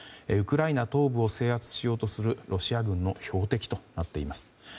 ウクライナ東部を制圧しようとするロシア軍の標的となっています。